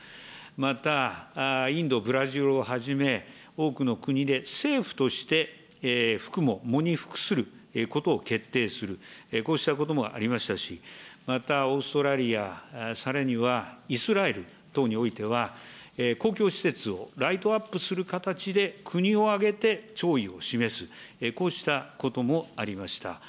また、インド、ブラジルをはじめ、多くの国で政府として服喪、喪に服することを決定する、こうしたこともありましたし、またオーストラリア、さらにはイスラエル等においては、公共施設をライトアップする形で、国を挙げて弔意を示す、こうしたこともありました。